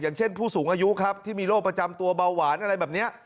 อย่างเช่นผู้สูงอายุครับที่มีโรคประจำตัวเบาหวานอะไรแบบนี้